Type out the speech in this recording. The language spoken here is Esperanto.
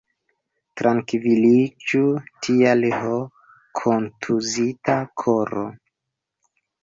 Trankviliĝu, tial, ho, kontuzita koro!